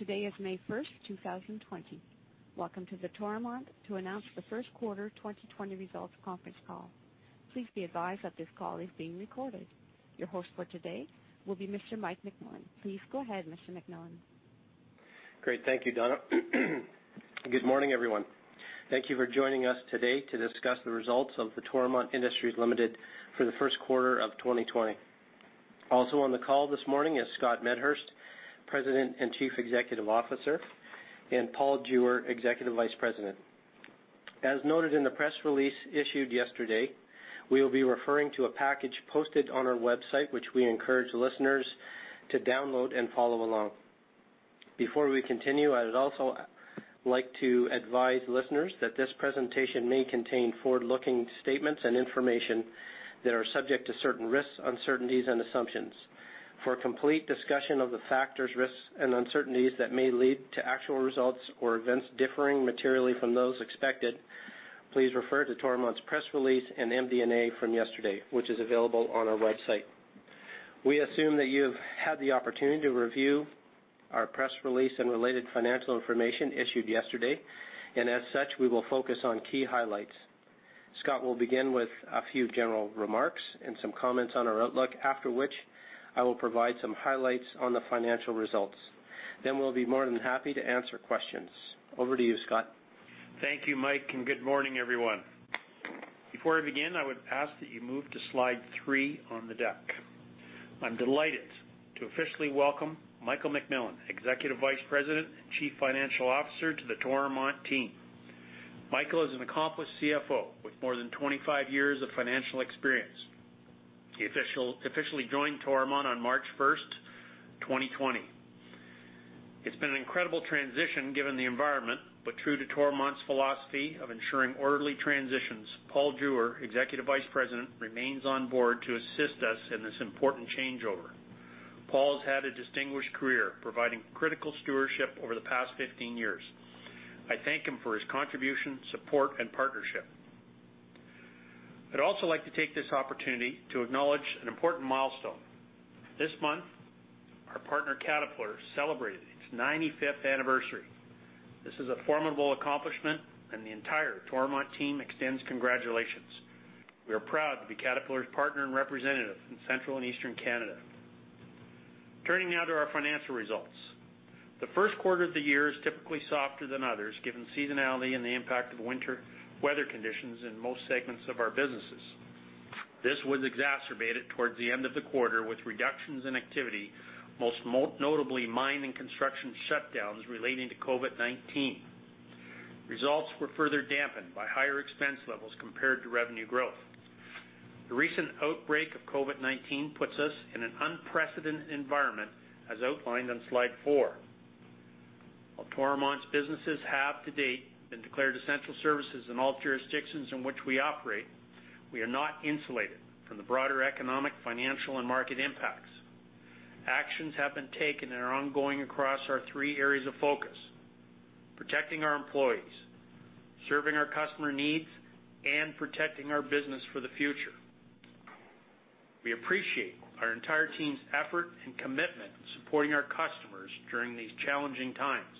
Morning. Today is May 1st, 2020. Welcome to the Toromont to announce the first quarter 2020 results conference call. Please be advised that this call is being recorded. Your host for today will be Mr. Mike McMillan. Please go ahead, Mr. McMillan. Great. Thank you, Donna. Good morning, everyone. Thank you for joining us today to discuss the results of Toromont Industries Ltd. for the first quarter of 2020. Also on the call this morning is Scott Medhurst, President and Chief Executive Officer, and Paul Jewer, Executive Vice President. As noted in the press release issued yesterday, we will be referring to a package posted on our website which we encourage listeners to download and follow along. Before we continue, I would also like to advise listeners that this presentation may contain forward-looking statements and information that are subject to certain risks, uncertainties, and assumptions. For a complete discussion of the factors, risks, and uncertainties that may lead to actual results or events differing materially from those expected, please refer to Toromont's press release and MD&A from yesterday, which is available on our website. We assume that you have had the opportunity to review our press release and related financial information issued yesterday, and as such, we will focus on key highlights. Scott will begin with a few general remarks and some comments on our outlook, after which I will provide some highlights on the financial results. We'll be more than happy to answer questions. Over to you, Scott. Thank you, Mike. Good morning, everyone. Before I begin, I would ask that you move to slide three on the deck. I'm delighted to officially welcome Mike McMillan, Executive Vice President and Chief Financial Officer, to the Toromont team. Mike is an accomplished CFO with more than 25 years of financial experience. He officially joined Toromont on March 1st, 2020. It's been an incredible transition given the environment, but true to Toromont's philosophy of ensuring orderly transitions, Paul Jewer, Executive Vice President, remains on board to assist us in this important changeover. Paul has had a distinguished career providing critical stewardship over the past 15 years. I thank him for his contribution, support, and partnership. I'd also like to take this opportunity to acknowledge an important milestone. This month, our partner, Caterpillar, celebrated its 95th anniversary. This is a formidable accomplishment, and the entire Toromont team extends congratulations. We are proud to be Caterpillar's partner and representative in Central and Eastern Canada. Turning now to our financial results. The first quarter of the year is typically softer than others, given seasonality and the impact of winter weather conditions in most segments of our businesses. This was exacerbated towards the end of the quarter with reductions in activity, most notably mine and construction shutdowns relating to COVID-19. Results were further dampened by higher expense levels compared to revenue growth. The recent outbreak of COVID-19 puts us in an unprecedented environment, as outlined on slide four. While Toromont's businesses have to date been declared essential services in all jurisdictions in which we operate, we are not insulated from the broader economic, financial, and market impacts. Actions have been taken and are ongoing across our three areas of focus: protecting our employees, serving our customer needs, and protecting our business for the future. We appreciate our entire team's effort and commitment to supporting our customers during these challenging times.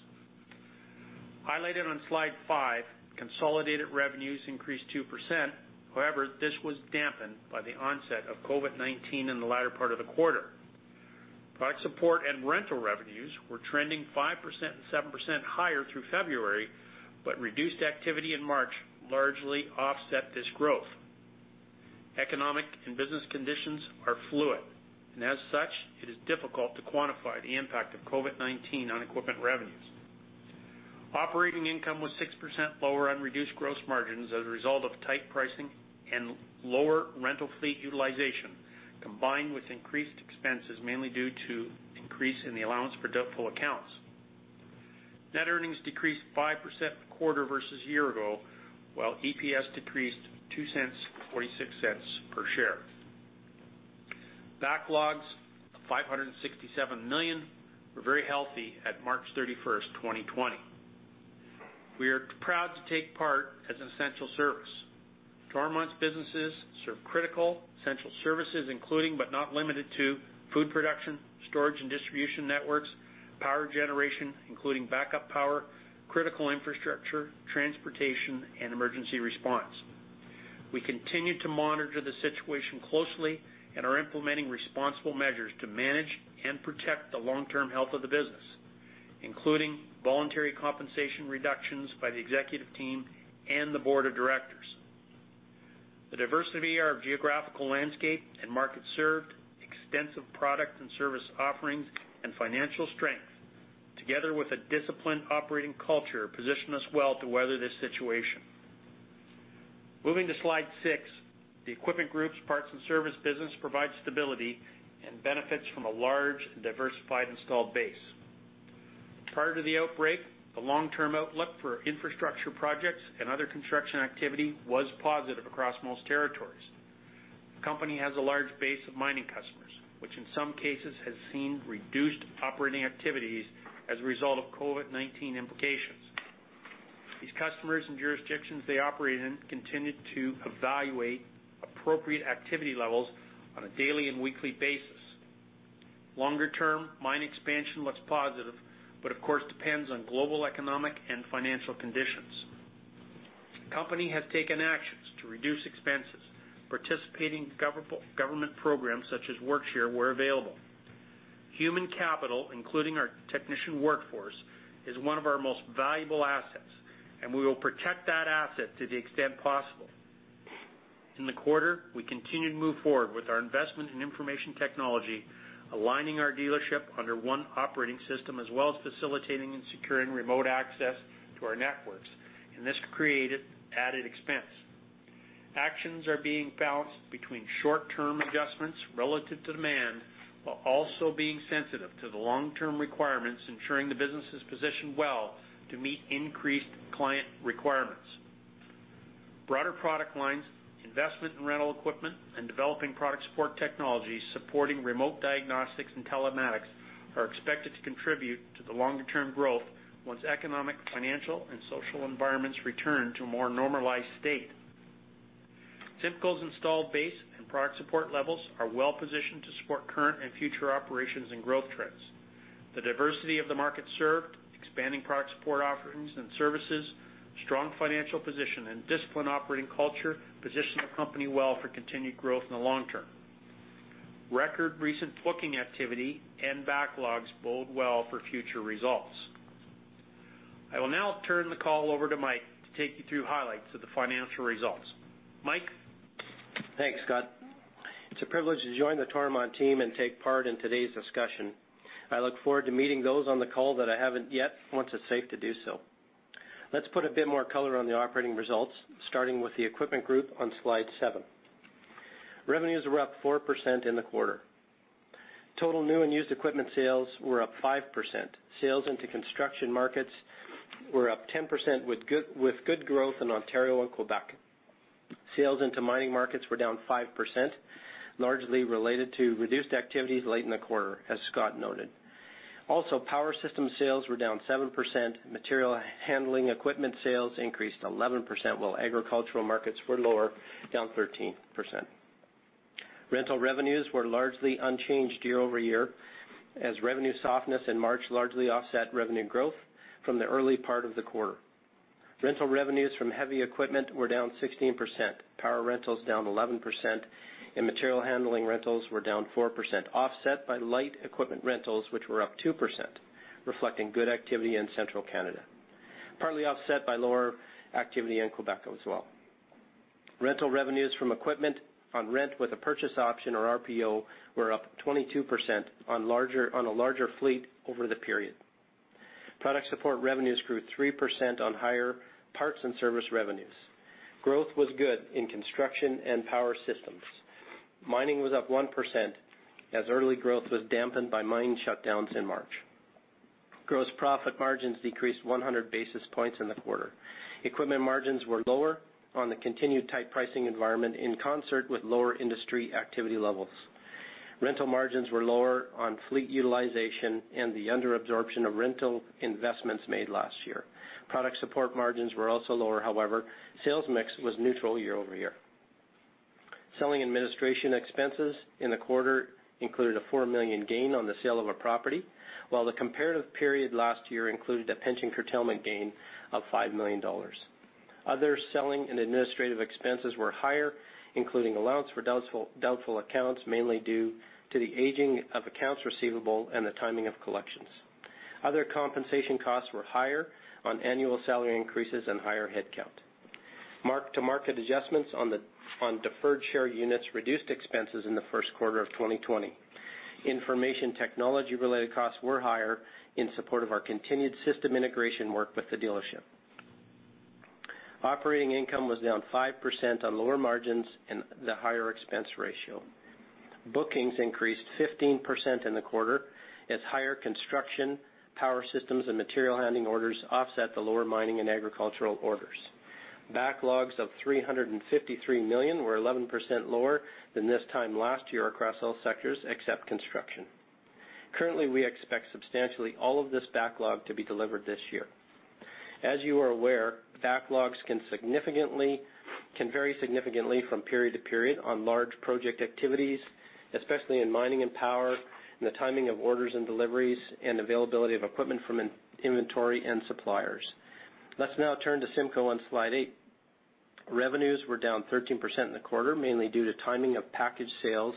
Highlighted on slide five, consolidated revenues increased 2%. This was dampened by the onset of COVID-19 in the latter part of the quarter. Product support and rental revenues were trending 5% and 7% higher through February, but reduced activity in March largely offset this growth. Economic and business conditions are fluid, and as such, it is difficult to quantify the impact of COVID-19 on equipment revenues. Operating income was 6% lower on reduced gross margins as a result of tight pricing and lower rental fleet utilization, combined with increased expenses, mainly due to increase in the allowance for doubtful accounts. Net earnings decreased 5% quarter versus year ago, while EPS decreased 0.02 to 0.46 per share. Backlogs of 567 million were very healthy at March 31st, 2020. We are proud to take part as an essential service. Toromont's businesses serve critical essential services, including but not limited to food production, storage and distribution networks, power generation, including backup power, critical infrastructure, transportation, and emergency response. We continue to monitor the situation closely and are implementing responsible measures to manage and protect the long-term health of the business, including voluntary compensation reductions by the executive team and the board of directors. The diversity of our geographical landscape and market served, extensive product and service offerings, and financial strength, together with a disciplined operating culture, position us well to weather this situation. Moving to slide six, the Equipment Group's parts and service business provides stability and benefits from a large and diversified installed base. Prior to the outbreak, the long-term outlook for infrastructure projects and other construction activity was positive across most territories. The company has a large base of mining customers, which in some cases has seen reduced operating activities as a result of COVID-19 implications. These customers and jurisdictions they operate in continue to evaluate appropriate activity levels on a daily and weekly basis. Longer term, mine expansion looks positive, but of course depends on global economic and financial conditions. The company has taken actions to reduce expenses, participating in government programs such as Work-Sharing where available. Human capital, including our technician workforce, is one of our most valuable assets, and we will protect that asset to the extent possible. In the quarter, we continued to move forward with our investment in information technology, aligning our dealership under one operating system, as well as facilitating and securing remote access to our networks. This created added expense. Actions are being balanced between short-term adjustments relative to demand, while also being sensitive to the long-term requirements, ensuring the business is positioned well to meet increased client requirements. Broader product lines, investment in rental equipment, and developing product support technologies supporting remote diagnostics and telematics are expected to contribute to the longer-term growth once economic, financial, and social environments return to a more normalized state. CIMCO's installed base and product support levels are well positioned to support current and future operations and growth trends. The diversity of the market served, expanding product support offerings and services, strong financial position, and disciplined operating culture position the company well for continued growth in the long term. Record recent booking activity and backlogs bode well for future results. I will now turn the call over to Mike to take you through highlights of the financial results. Mike? Thanks, Scott. It's a privilege to join the Toromont team and take part in today's discussion. I look forward to meeting those on the call that I haven't yet, once it's safe to do so. Let's put a bit more color on the operating results, starting with the Equipment Group on slide seven. Revenues were up 4% in the quarter. Total new and used equipment sales were up 5%. Sales into construction markets were up 10% with good growth in Ontario and Quebec. Sales into mining markets were down 5%, largely related to reduced activities late in the quarter, as Scott noted. Power system sales were down 7%, material handling equipment sales increased 11%, while agricultural markets were lower, down 13%. Rental revenues were largely unchanged year-over-year, as revenue softness in March largely offset revenue growth from the early part of the quarter. Rental revenues from heavy equipment were down 16%, power rentals down 11%, and material handling rentals were down 4%, offset by light equipment rentals, which were up 2%, reflecting good activity in central Canada, partly offset by lower activity in Quebec as well. Rental revenues from equipment on rent with a purchase option or RPO were up 22% on a larger fleet over the period. Product support revenues grew 3% on higher parts and service revenues. Growth was good in construction and power systems. Mining was up 1% as early growth was dampened by mine shutdowns in March. Gross profit margins decreased 100 basis points in the quarter. Equipment margins were lower on the continued tight pricing environment in concert with lower industry activity levels. Rental margins were lower on fleet utilization and the under absorption of rental investments made last year. Product support margins were also lower. However, sales mix was neutral year-over-year. Selling administration expenses in the quarter included a 4 million gain on the sale of a property, while the comparative period last year included a pension curtailment gain of 5 million dollars. Other selling and administrative expenses were higher, including allowance for doubtful accounts, mainly due to the aging of accounts receivable and the timing of collections. Other compensation costs were higher on annual salary increases and higher headcount. Mark-to-market adjustments on deferred share units reduced expenses in Q1 2020. Information technology related costs were higher in support of our continued system integration work with the dealership. Operating income was down 5% on lower margins and the higher expense ratio. Bookings increased 15% in the quarter as higher construction, power systems, and material handling orders offset the lower mining and agricultural orders. Backlogs of 353 million were 11% lower than this time last year across all sectors except construction. Currently, we expect substantially all of this backlog to be delivered this year. As you are aware, backlogs can vary significantly from period to period on large project activities, especially in mining and power, and the timing of orders and deliveries and availability of equipment from inventory and suppliers. Let's now turn to CIMCO on slide eight. Revenues were down 13% in the quarter, mainly due to timing of package sales,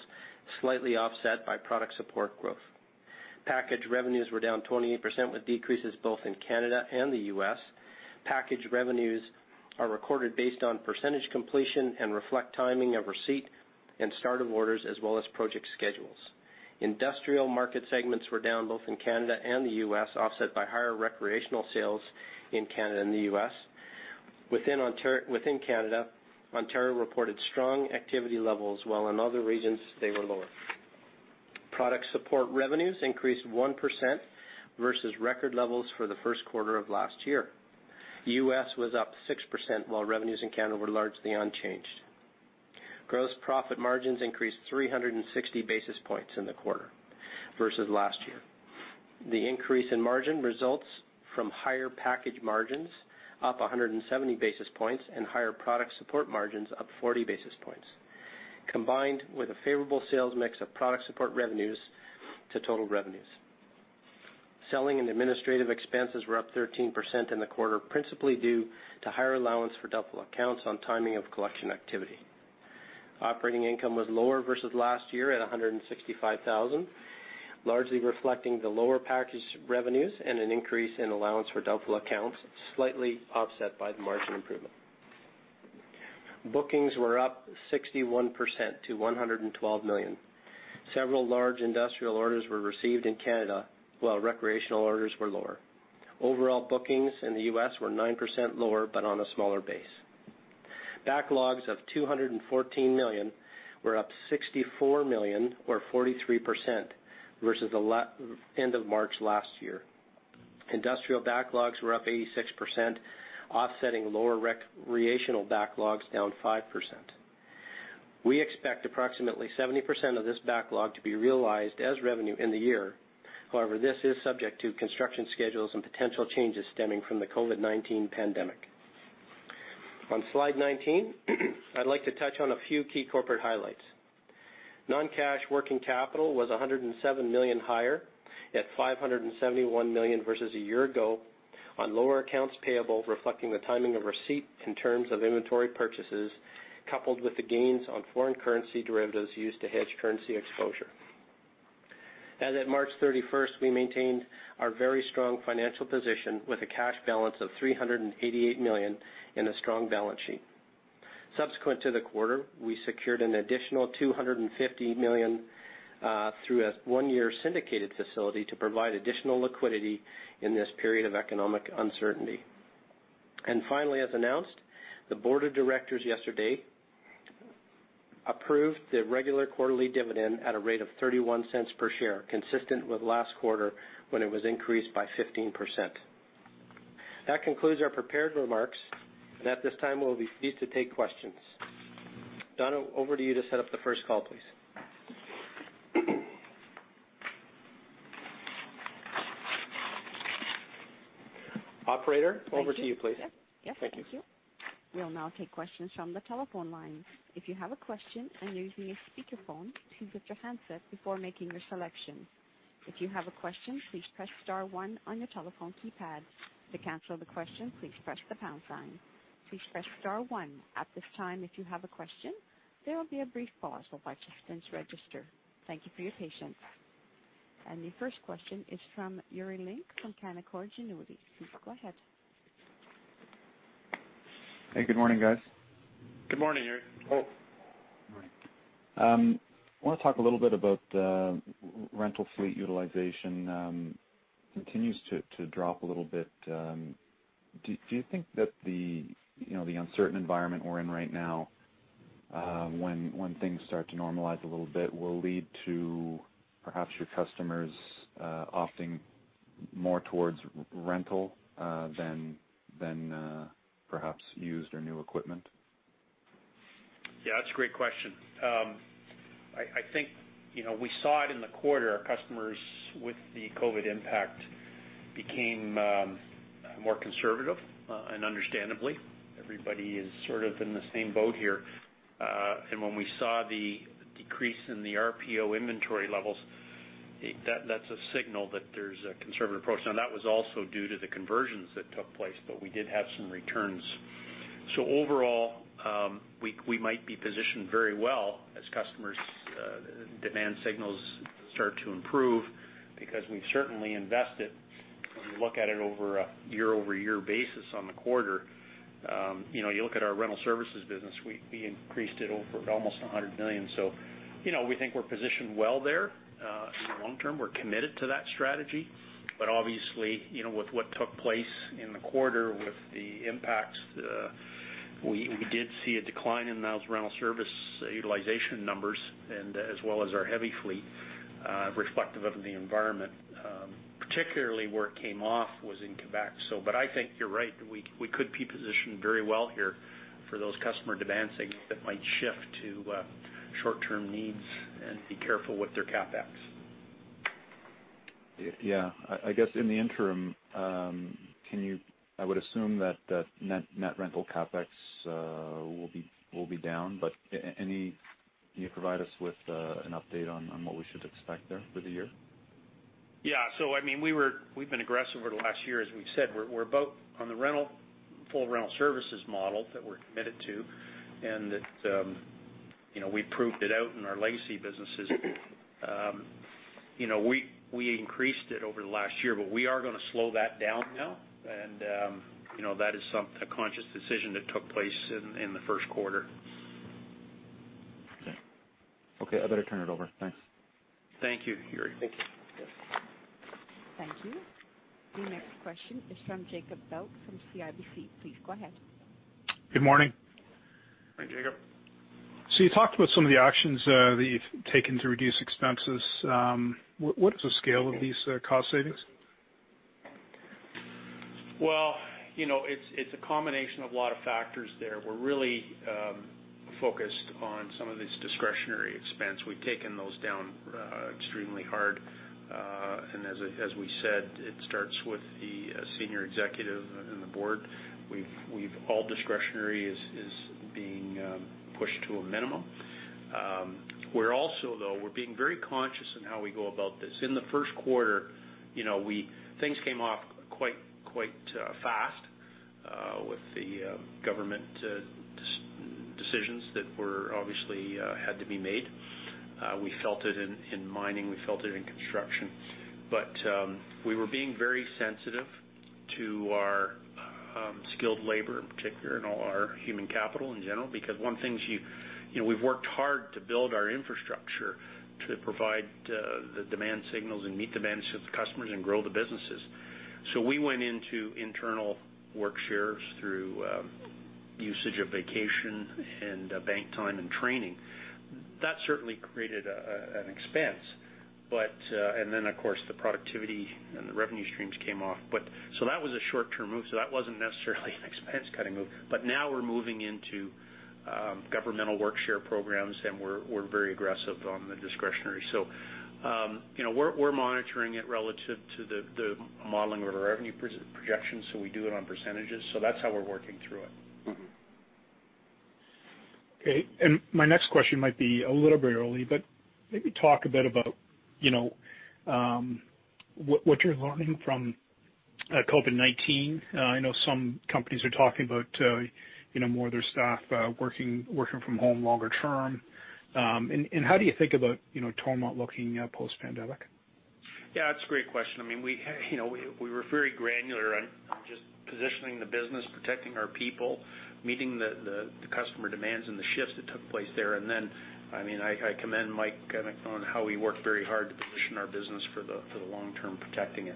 slightly offset by product support growth. Package revenues were down 28%, with decreases both in Canada and the U.S. Package revenues are recorded based on percentage completion and reflect timing of receipt and start of orders, as well as project schedules. Industrial market segments were down both in Canada and the U.S., offset by higher recreational sales in Canada and the U.S. Within Canada, Ontario reported strong activity levels, while in other regions they were lower. Product support revenues increased 1% versus record levels for the first quarter of last year. U.S. was up 6%, while revenues in Canada were largely unchanged. Gross profit margins increased 360 basis points in the quarter versus last year. The increase in margin results from higher package margins up 170 basis points and higher product support margins up 40 basis points, combined with a favorable sales mix of product support revenues to total revenues. Selling and administrative expenses were up 13% in the quarter, principally due to higher allowance for doubtful accounts on timing of collection activity. Operating income was lower versus last year at 165,000, largely reflecting the lower package revenues and an increase in allowance for doubtful accounts, slightly offset by the margin improvement. Bookings were up 61% to 112 million. Several large industrial orders were received in Canada, while recreational orders were lower. Overall bookings in the U.S. were 9% lower, but on a smaller base. Backlogs of 214 million were up 64 million or 43% versus the end of March last year. Industrial backlogs were up 86%, offsetting lower recreational backlogs down 5%. We expect approximately 70% of this backlog to be realized as revenue in the year. However, this is subject to construction schedules and potential changes stemming from the COVID-19 pandemic. On slide 19, I'd like to touch on a few key corporate highlights. Non-cash working capital was 107 million higher at 571 million versus a year ago on lower accounts payable, reflecting the timing of receipt in terms of inventory purchases, coupled with the gains on foreign currency derivatives used to hedge currency exposure. As at March 31st, we maintained our very strong financial position with a cash balance of 388 million and a strong balance sheet. Subsequent to the quarter, we secured an additional 250 million through a one-year syndicated facility to provide additional liquidity in this period of economic uncertainty. Finally, as announced, the Board of Directors yesterday approved the regular quarterly dividend at a rate of 0.31 per share, consistent with last quarter when it was increased by 15%. That concludes our prepared remarks, and at this time, we'll proceed to take questions. Donna, over to you to set up the first call, please. Operator, over to you, please. Yes. Thank you. Thank you. We'll now take questions from the telephone lines. If you have a question and you're using a speakerphone, please mute your handset before making your selection. If you have a question, please press star one on your telephone keypad. To cancel the question, please press the pound sign. Please press star one at this time if you have a question. There will be a brief pause while participants register. Thank you for your patience. The first question is from Yuri Lynk from Canaccord Genuity. Please go ahead. Hey, good morning, guys. Good morning, Yuri. Good morning. I want to talk a little bit about the rental fleet utilization continues to drop a little bit. Do you think that the uncertain environment we're in right now, when things start to normalize a little bit, will lead to perhaps your customers opting more towards rental than perhaps used or new equipment? Yeah, that's a great question. I think we saw it in the quarter. Our customers with the COVID-19 impact became more conservative. Understandably, everybody is sort of in the same boat here. When we saw the decrease in the RPO inventory levels, that's a signal that there's a conservative approach. Now, that was also due to the conversions that took place, but we did have some returns. Overall, we might be positioned very well as customers' demand signals start to improve because we've certainly invested. When you look at it over a year-over-year basis on the quarter, you look at our rental services business, we increased it over almost 100 million. We think we're positioned well there. In the long term, we're committed to that strategy. Obviously, with what took place in the quarter with the impacts, we did see a decline in those rental service utilization numbers and as well as our heavy fleet, reflective of the environment. Particularly where it came off was in Quebec. I think you're right, we could be positioned very well here for those customer demand signals that might shift to short-term needs and be careful with their CapEx. Yeah. I guess in the interim, I would assume that net rental CapEx will be down, but can you provide us with an update on what we should expect there for the year? We've been aggressive over the last year. As we've said, we're both on the full rental services model that we're committed to, that we proved it out in our legacy businesses. We increased it over the last year, we are going to slow that down now, that is a conscious decision that took place in the first quarter. Okay. I better turn it over. Thanks. Thank you, Yuri. Thank you. Thank you. The next question is from Jacob Bout from CIBC. Please go ahead. Good morning. Hi, Jacob. You talked about some of the actions that you've taken to reduce expenses. What is the scale of these cost savings? Well, it's a combination of a lot of factors there. We're really focused on some of this discretionary expense. We've taken those down extremely hard. As we said, it starts with the senior executive and the board. All discretionary is being pushed to a minimum. We're being very conscious in how we go about this. In the first quarter, things came off quite fast with the government decisions that obviously had to be made. We felt it in mining, we felt it in construction. We were being very sensitive to our skilled labor in particular, and all our human capital in general, because one of the things, we've worked hard to build our infrastructure to provide the demand signals and meet demand to the customers and grow the businesses. We went into internal work shares through usage of vacation and bank time and training. That certainly created an expense. Then, of course, the productivity and the revenue streams came off. That was a short-term move, so that wasn't necessarily an expense-cutting move. Now we're moving into governmental Work-Sharing programs, and we're very aggressive on the discretionary. We're monitoring it relative to the modeling of our revenue projections, so we do it on percentages. That's how we're working through it. Okay, my next question might be a little bit early, but maybe talk a bit about what you're learning from COVID-19. I know some companies are talking about more of their staff working from home longer term. How do you think about Toromont looking post-pandemic? Yeah, that's a great question. We were very granular on just positioning the business, protecting our people, meeting the customer demands and the shifts that took place there, and then, I commend Mike on how he worked very hard to position our business for the long term, protecting it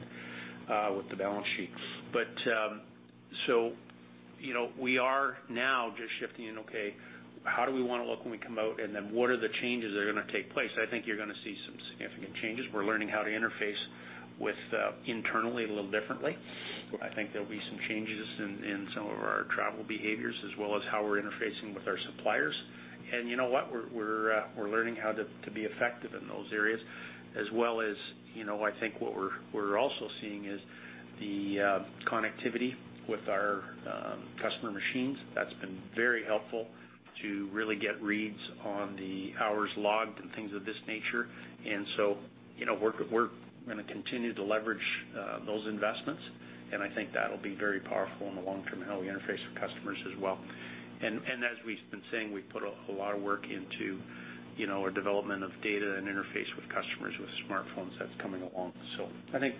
with the balance sheet. We are now just shifting in, okay, how do we want to look when we come out, and then what are the changes that are going to take place? I think you're going to see some significant changes. We're learning how to interface internally a little differently. I think there'll be some changes in some of our travel behaviors as well as how we're interfacing with our suppliers. You know what? We're learning how to be effective in those areas as well as, I think what we're also seeing is the connectivity with our customer machines. That's been very helpful to really get reads on the hours logged and things of this nature. We're going to continue to leverage those investments, and I think that'll be very powerful in the long term, how we interface with customers as well. As we've been saying, we put a lot of work into our development of data and interface with customers with smartphones. That's coming along. I think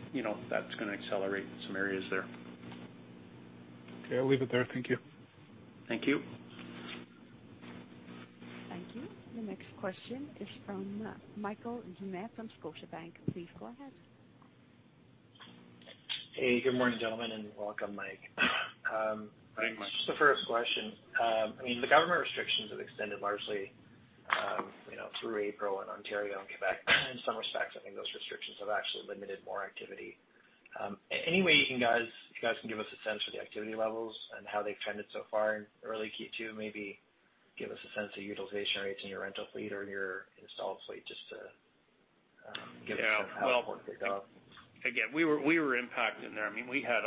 that's going to accelerate some areas there. Okay. I'll leave it there. Thank you. Thank you. Thank you. The next question is from Michael Doumet from Scotiabank. Please go ahead. Hey, good morning, gentlemen, and welcome, Mike. Thanks, Michael. First question. The government restrictions have extended largely through April in Ontario and Quebec. In some respects, I think those restrictions have actually limited more activity. Any way you guys can give us a sense for the activity levels and how they've trended so far in early Q2? Maybe give us a sense of utilization rates in your rental fleet or in your installed fleet just to give us an outlook for the Yeah. Well, again, we were impacted in there. We had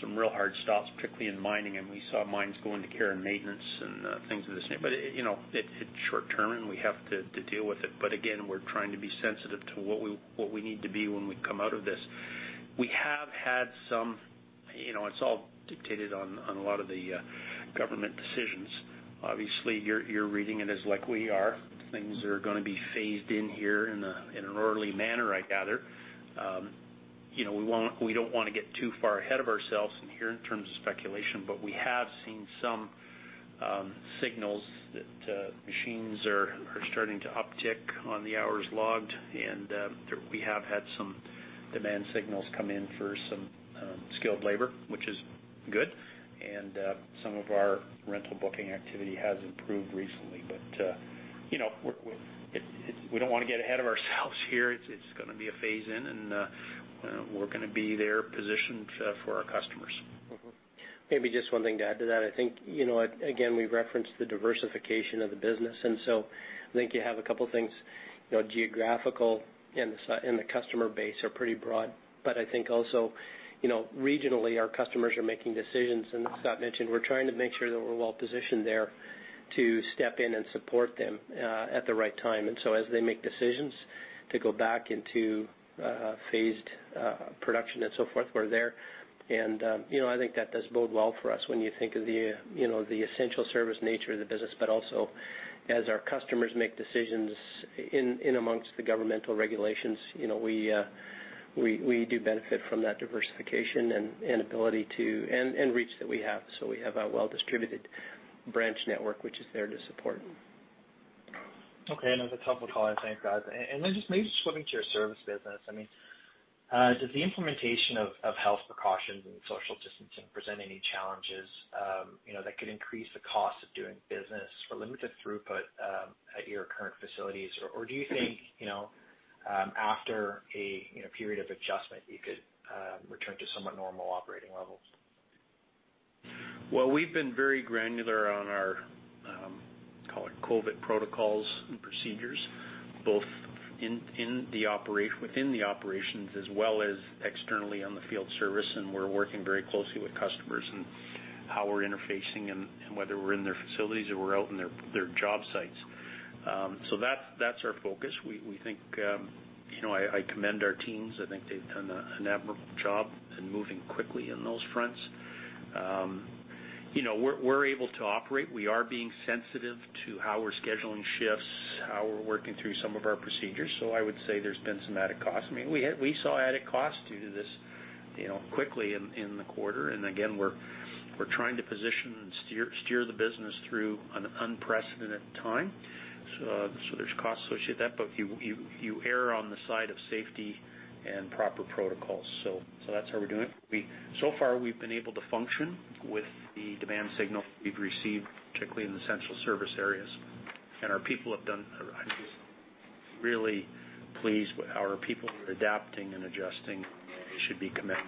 some real hard stops, particularly in mining, and we saw mines go into care and maintenance and things of this nature. It's short-term, and we have to deal with it. Again, we're trying to be sensitive to what we need to be when we come out of this. It's all dictated on a lot of the government decisions. Obviously, you're reading it as like we are. Things are going to be phased in here in an orderly manner, I gather. We don't want to get too far ahead of ourselves in here in terms of speculation, but we have seen some signals that machines are starting to uptick on the hours logged, and we have had some demand signals come in for some skilled labor, which is good. Some of our rental booking activity has improved recently. We don't want to get ahead of ourselves here. It's going to be a phase in, and we're going to be there positioned for our customers. Mm-hmm. Maybe just one thing to add to that. I think, again, we referenced the diversification of the business, and so I think you have a couple of things, geographical and the customer base are pretty broad. I think also, regionally, our customers are making decisions, and as Scott mentioned, we're trying to make sure that we're well-positioned there to step in and support them at the right time. As they make decisions to go back into phased production and so forth, we're there. I think that does bode well for us when you think of the essential service nature of the business, but also as our customers make decisions in amongst the governmental regulations. We do benefit from that diversification and ability to, and reach that we have. We have a well-distributed branch network which is there to support. Okay. That's helpful, Colin. Thanks, guys. Just maybe just switching to your service business. Does the implementation of health precautions and social distancing present any challenges that could increase the cost of doing business or limited throughput at your current facilities? Do you think, after a period of adjustment, you could return to somewhat normal operating levels? We've been very granular on our, call it, COVID protocols and procedures, both within the operations as well as externally on the field service, and we're working very closely with customers and how we're interfacing and whether we're in their facilities or we're out in their job sites. That's our focus. I commend our teams. I think they've done an admirable job in moving quickly on those fronts. We're able to operate. We are being sensitive to how we're scheduling shifts, how we're working through some of our procedures. I would say there's been some added cost. We saw added cost due to this quickly in the quarter. Again, we're trying to position and steer the business through an unprecedented time. There's cost associated with that. You err on the side of safety and proper protocols. That's how we're doing. Far, we've been able to function with the demand signal we've received, particularly in the central service areas. I'm just really pleased with how our people are adapting and adjusting, and they should be commended.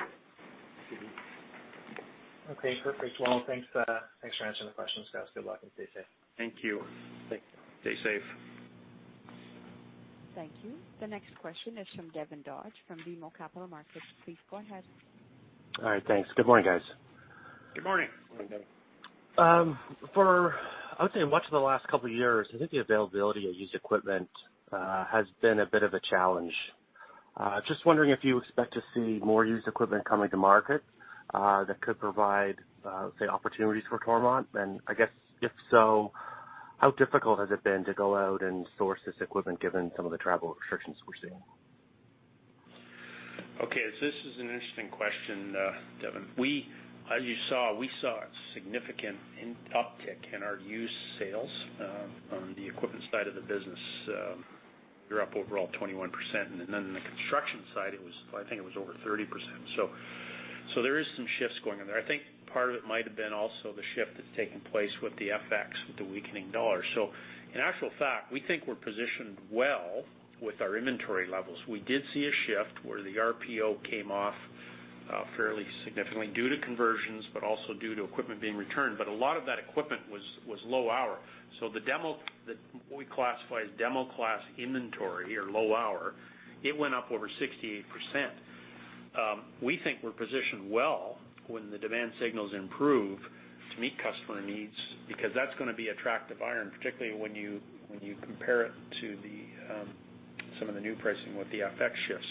Okay, perfect. Well, thanks for answering the questions, guys. Good luck and stay safe. Thank you. Thank you. Stay safe. Thank you. The next question is from Devin Dodge from BMO Capital Markets. Please go ahead. All right. Thanks. Good morning, guys. Good morning. Morning, Devin. For, I would say, much of the last couple of years, I think the availability of used equipment has been a bit of a challenge. Just wondering if you expect to see more used equipment coming to market that could provide, say, opportunities for Toromont? I guess, if so, how difficult has it been to go out and source this equipment given some of the travel restrictions we're seeing? This is an interesting question, Devin. As you saw, we saw a significant uptick in our used sales on the equipment side of the business. We were up overall 21%, and then in the construction side, I think it was over 30%. There is some shifts going in there. I think part of it might have been also the shift that's taking place with the FX, with the weakening dollar. In actual fact, we think we're positioned well with our inventory levels. We did see a shift where the RPO came off fairly significantly due to conversions, but also due to equipment being returned. A lot of that equipment was low hour. What we classify as demo class inventory or low hour, it went up over 68%. We think we're positioned well when the demand signals improve to meet customer needs, because that's going to be attractive iron, particularly when you compare it to some of the new pricing with the FX shift.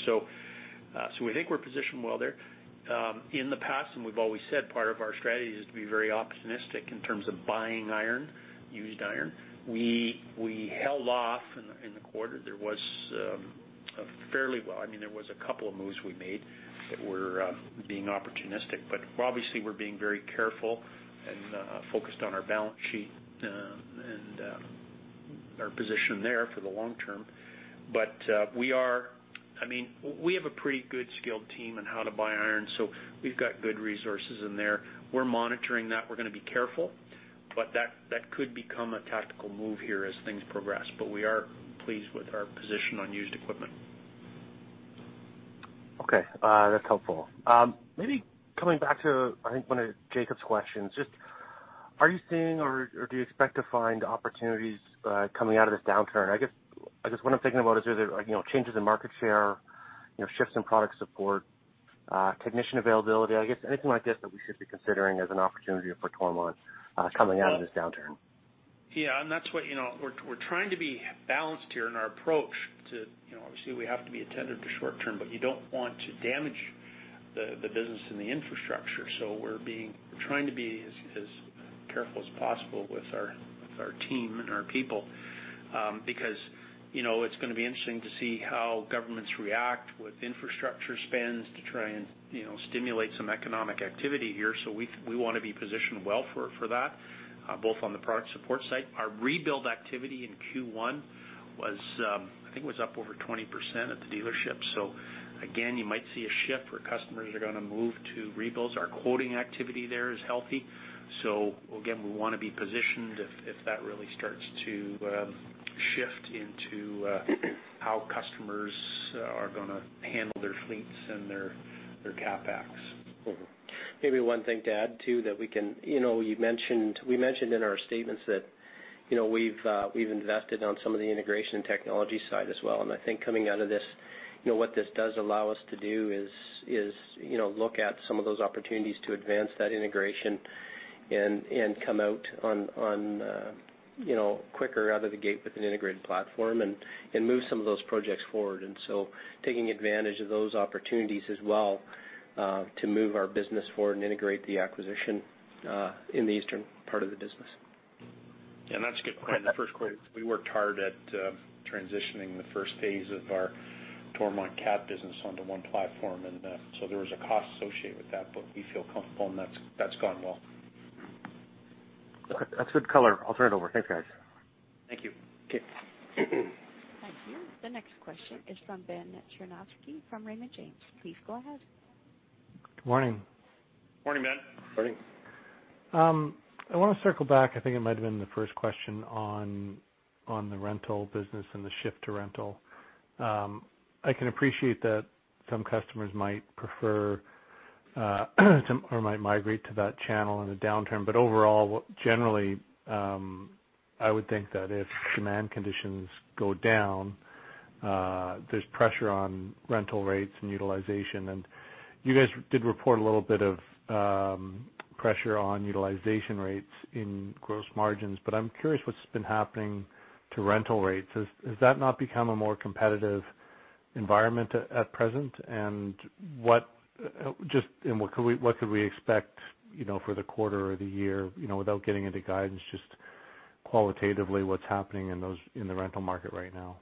We think we're positioned well there. In the past, and we've always said part of our strategy is to be very opportunistic in terms of buying iron, used iron. We held off in the quarter. There was a couple of moves we made that were being opportunistic, but obviously we're being very careful and focused on our balance sheet and our position there for the long term. We have a pretty good skilled team on how to buy iron, so we've got good resources in there. We're monitoring that. We're going to be careful, but that could become a tactical move here as things progress. We are pleased with our position on used equipment. Okay. That's helpful. Maybe coming back to, I think one of Jacob's questions, just are you seeing or do you expect to find opportunities coming out of this downturn? I guess what I'm thinking about is really changes in market share, shifts in product support, technician availability, I guess anything like this that we should be considering as an opportunity for Toromont coming out of this downturn. Yeah, we're trying to be balanced here in our approach to, obviously, we have to be attentive to short term, but you don't want to damage the business and the infrastructure. We're trying to be as careful as possible with our team and our people. Because it's going to be interesting to see how governments react with infrastructure spends to try and stimulate some economic activity here. We want to be positioned well for that, both on the product support side. Our rebuild activity in Q1, I think, was up over 20% at the dealership. Again, you might see a shift where customers are going to move to rebuilds. Our quoting activity there is healthy. Again, we want to be positioned if that really starts to shift into how customers are going to handle their fleets and their CapEx. Maybe one thing to add, too, that we mentioned in our statements that we've invested on some of the integration and technology side as well. I think coming out of this, what this does allow us to do is look at some of those opportunities to advance that integration and come out quicker out of the gate with an integrated platform and move some of those projects forward. Taking advantage of those opportunities as well to move our business forward and integrate the acquisition in the eastern part of the business. Yeah, that's a good point. In the first quarter, we worked hard at transitioning the first phase of our Toromont Cat business onto one platform, and so there was a cost associated with that, but we feel comfortable, and that's gone well. Okay. That's good color. I'll turn it over. Thanks, guys. Thank you. Okay. Thank you. The next question is from Ben Cherniavsky from Raymond James. Please go ahead. Good morning. Morning, Ben. Morning. I want to circle back, I think it might have been the first question on the rental business and the shift to rental. I can appreciate that some customers might prefer or might migrate to that channel in a downturn. Overall, generally, I would think that if demand conditions go down, there's pressure on rental rates and utilization. You guys did report a little bit of pressure on utilization rates in gross margins, but I'm curious what's been happening to rental rates. Has that not become a more competitive environment at present? What could we expect for the quarter or the year? Without getting into guidance, just qualitatively, what's happening in the rental market right now?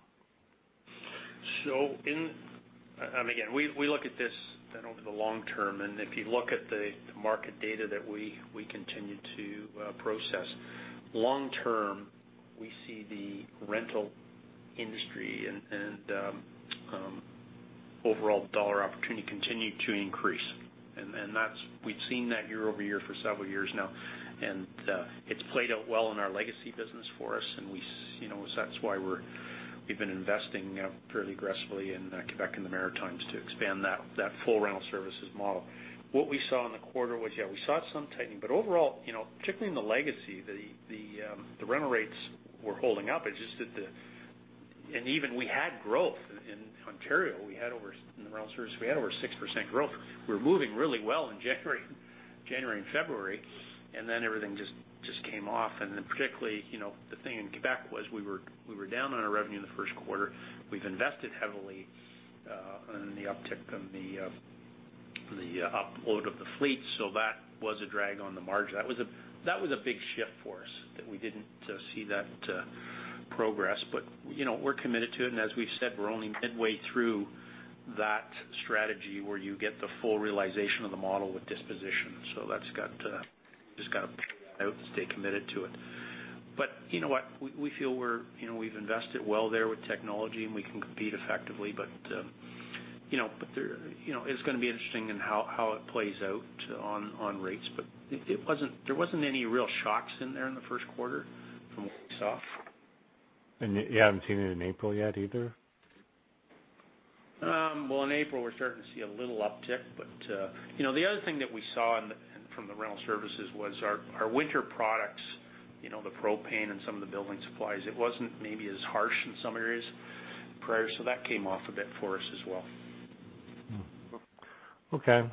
Again, we look at this over the long term. If you look at the market data that we continue to process, long term, we see the rental industry and overall dollar opportunity continue to increase. We've seen that year over year for several years now. It's played out well in our legacy business for us. That's why we've been investing fairly aggressively in Quebec and the Maritimes to expand that full rental services model. What we saw in the quarter was, yeah, we saw some tightening, but overall, particularly in the legacy, the rental rates were holding up. Even we had growth in Ontario. In the rental service, we had over 6% growth. We were moving really well in January and February. Then everything just came off. Particularly, the thing in Quebec was we were down on our revenue in the first quarter. We've invested heavily in the uptick of the upload of the fleet, so that was a drag on the margin. That was a big shift for us that we didn't see that progress. We're committed to it, and as we've said, we're only midway through that strategy where you get the full realization of the model with disposition. That's got to just kind of play out and stay committed to it. You know what? We feel we've invested well there with technology, and we can compete effectively. It's going to be interesting in how it plays out on rates. There wasn't any real shocks in there in the first quarter from what we saw. You haven't seen it in April yet either? Well, in April, we're starting to see a little uptick, but the other thing that we saw from the rental services was our winter products, the propane and some of the building supplies. It wasn't maybe as harsh in some areas prior, so that came off a bit for us as well. Okay.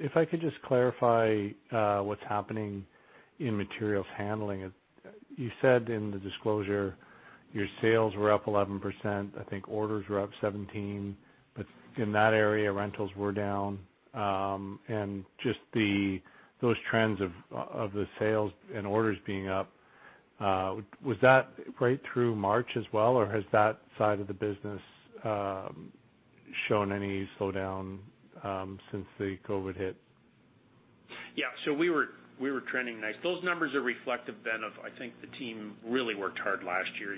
If I could just clarify what's happening in materials handling. You said in the disclosure your sales were up 11%, I think orders were up 17%, but in that area, rentals were down. Just those trends of the sales and orders being up, was that right through March as well, or has that side of the business shown any slowdown since the COVID hit? Yeah. We were trending nice. Those numbers are reflective, Ben, of I think the team really worked hard last year.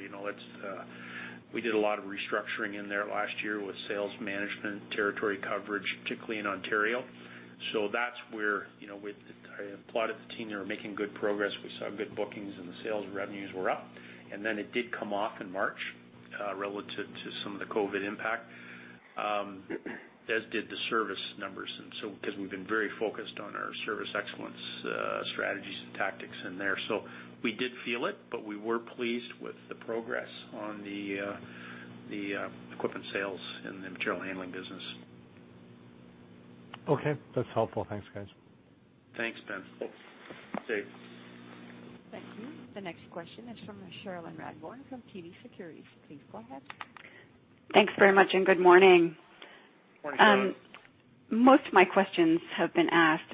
We did a lot of restructuring in there last year with sales management, territory coverage, particularly in Ontario. That's where I applauded the team. They were making good progress. We saw good bookings and the sales revenues were up. It did come off in March relative to some of the COVID-19 impact, as did the service numbers, because we've been very focused on our service excellence strategies and tactics in there. We did feel it, but we were pleased with the progress on the equipment sales and the material handling business. Okay. That's helpful. Thanks, guys. Thanks, Ben. Cool. Donna. Thank you. The next question is from Cherilyn Radbourne from TD Securities. Please go ahead. Thanks very much, and good morning. Morning, Cherilyn. Most of my questions have been asked.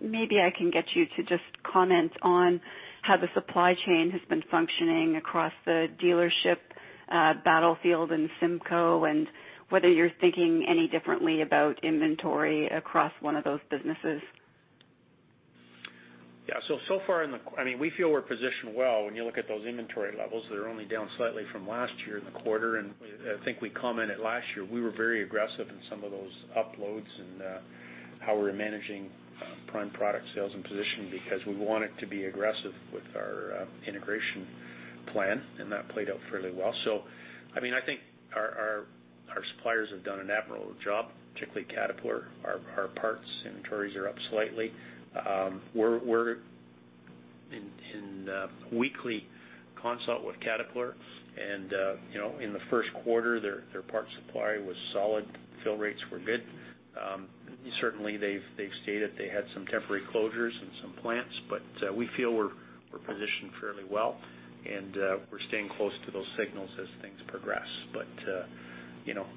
Maybe I can get you to just comment on how the supply chain has been functioning across the dealership, Battlefield and CIMCO, and whether you're thinking any differently about inventory across one of those businesses. Yeah. So far, we feel we're positioned well. When you look at those inventory levels, they're only down slightly from last year in the quarter. I think we commented last year, we were very aggressive in some of those uploads and how we were managing prime product sales and positioning because we wanted to be aggressive with our integration plan, and that played out fairly well. I think our suppliers have done an admirable job, particularly Caterpillar. Our parts inventories are up slightly. We're in weekly consult with Caterpillar, and in the first quarter, their parts supply was solid. Fill rates were good. They've stated they had some temporary closures in some plants, but we feel we're positioned fairly well, and we're staying close to those signals as things progress.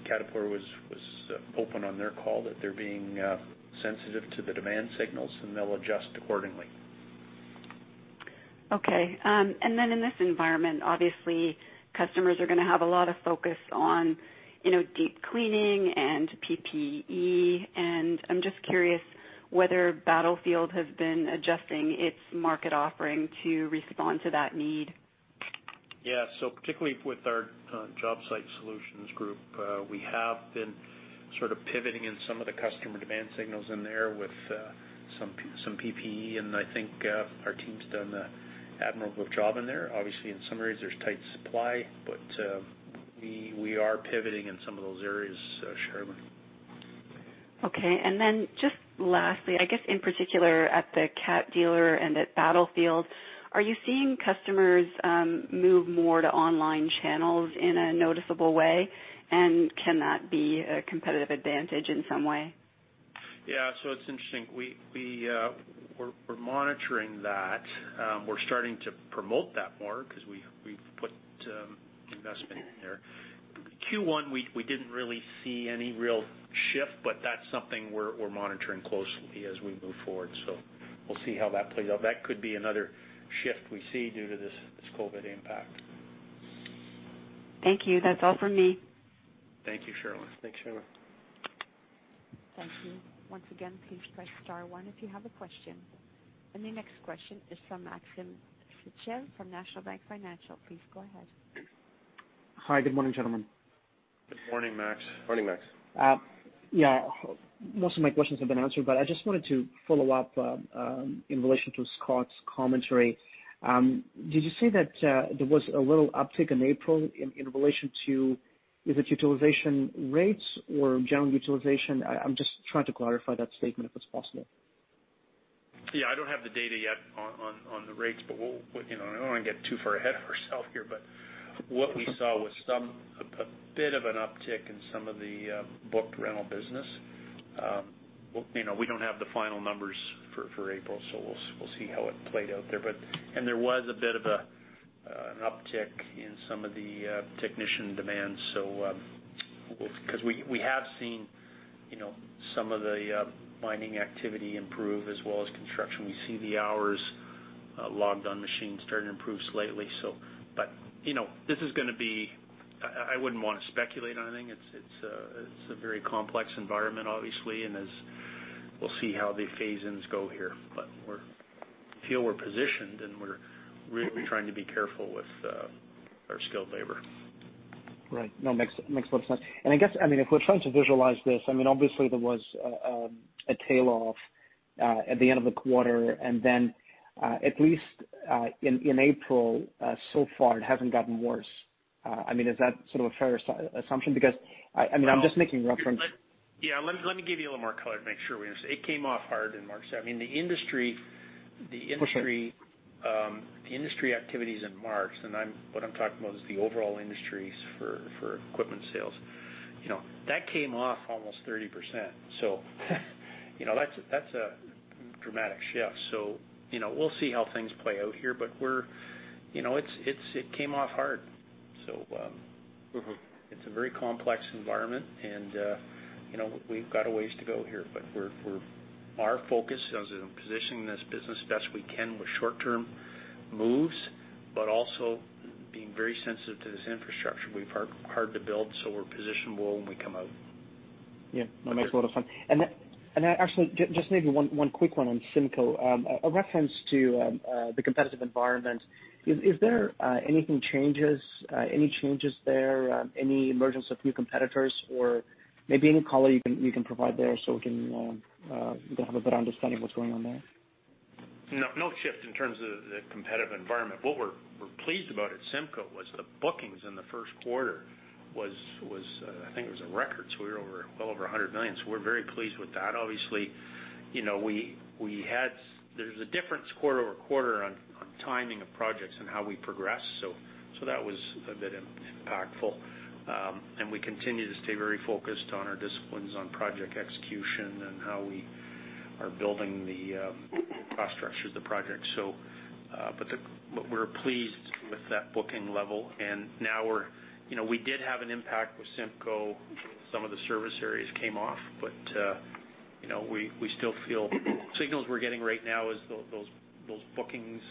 Caterpillar was open on their call that they're being sensitive to the demand signals, and they'll adjust accordingly. Okay. In this environment, obviously, customers are going to have a lot of focus on deep cleaning and PPE, and I'm just curious whether Battlefield has been adjusting its market offering to respond to that need? Yeah. Particularly with our job site solutions group, we have been sort of pivoting in some of the customer demand signals in there with some PPE, and I think our team's done an admirable job in there. Obviously, in some areas, there's tight supply, but we are pivoting in some of those areas, Cherilyn. Okay. Then just lastly, I guess in particular at the Cat dealer and at Battlefield, are you seeing customers move more to online channels in a noticeable way? Can that be a competitive advantage in some way? It's interesting. We're monitoring that. We're starting to promote that more because we've put investment in there. Q1, we didn't really see any real shift, but that's something we're monitoring closely as we move forward. We'll see how that plays out. That could be another shift we see due to this COVID impact. Thank you. That's all for me. Thank you, Cherilyn. Thanks, Cherilyn. Thank you. Once again, please press star one if you have a question. The next question is from Maxim Sytchev from National Bank Financial. Please go ahead. Hi. Good morning, gentlemen. Good morning, Max. Morning, Max. Yeah. Most of my questions have been answered. I just wanted to follow up in relation to Scott's commentary. Did you say that there was a little uptick in April in relation to, is it utilization rates or general utilization? I'm just trying to clarify that statement if it's possible. I don't have the data yet on the rates, but I don't want to get too far ahead of ourselves here. What we saw was a bit of an uptick in some of the booked rental business. We don't have the final numbers for April. We'll see how it played out there. There was a bit of an uptick in some of the technician demands. We have seen some of the mining activity improve as well as construction. We see the hours logged on machines starting to improve slightly. I wouldn't want to speculate on anything. It's a very complex environment, obviously, and we'll see how the phase-ins go here. We feel we're positioned, and we're really trying to be careful with our skilled labor. Right. No, makes a lot of sense. I guess, if we're trying to visualize this, obviously there was a tail-off at the end of the quarter, then at least in April, so far it hasn't gotten worse. Is that sort of a fair assumption? Yeah, let me give you a little more color to make sure we understand. It came off hard in March. For sure. Activities in March, what I'm talking about is the overall industries for equipment sales. That came off almost 30%. That's a dramatic shift. We'll see how things play out here, but it came off hard. It's a very complex environment and we've got a ways to go here. Our focus is in positioning this business the best we can with short-term moves, but also being very sensitive to this infrastructure we've worked hard to build, so we're positionable when we come out. Yeah. No, makes a lot of sense. Actually, just maybe one quick one on CIMCO. A reference to the competitive environment. Is there any changes there? Any emergence of new competitors? Maybe any color you can provide there so we can have a better understanding of what's going on there? No shift in terms of the competitive environment. What we're pleased about at CIMCO was the bookings in the first quarter was, I think it was a record, we were well over 100 million. We're very pleased with that. Obviously, there's a difference quarter-over-quarter on timing of projects and how we progress. That was a bit impactful. We continue to stay very focused on our disciplines, on project execution, and how we are building the cost structures of the project. We're pleased with that booking level. We did have an impact with CIMCO. Some of the service areas came off. We still feel signals we're getting right now is those bookings,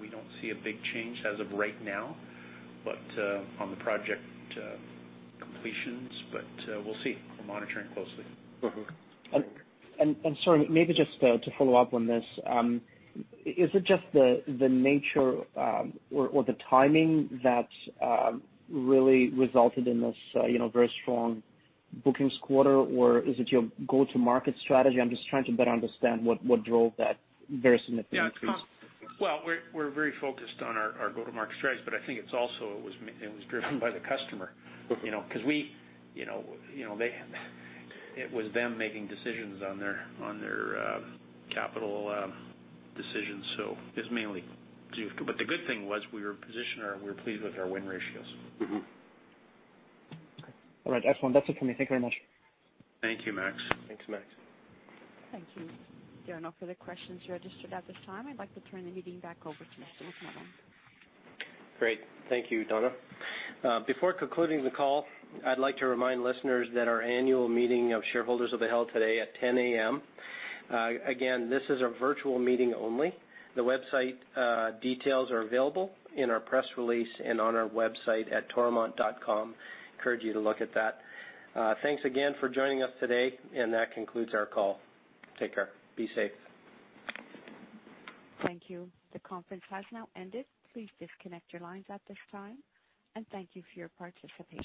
we don't see a big change as of right now on the project completions, we'll see. We're monitoring closely. Mm-hmm. Sorry, maybe just to follow up on this. Is it just the nature or the timing that really resulted in this very strong bookings quarter, or is it your go-to-market strategy? I'm just trying to better understand what drove that very significant increase. Well, we're very focused on our go-to-market strategies, but I think it was driven by the customer. Okay. Because it was them making decisions on their capital decisions. The good thing was we were positioned, and we were pleased with our win ratios. Okay. All right. Excellent. That's it for me. Thank you very much. Thank you, Max. Thanks, Max. Thank you. There are no further questions registered at this time. I'd like to turn the meeting back over to Mr. McMillan. Great. Thank you, Donna. Before concluding the call, I'd like to remind listeners that our annual meeting of shareholders will be held today at 10:00 A.M. Again, this is a virtual meeting only. The website details are available in our press release and on our website at toromont.com. Encourage you to look at that. Thanks again for joining us today, and that concludes our call. Take care. Be safe. Thank you. The conference has now ended. Please disconnect your lines at this time, and thank you for your participation.